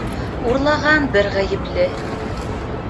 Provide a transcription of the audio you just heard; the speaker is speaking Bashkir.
Урлаған бер ғәйепле